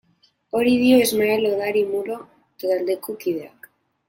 Hori dio Ismael Odari Mulo taldeko kideak.